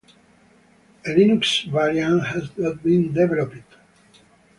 A Linux variant has not been developed.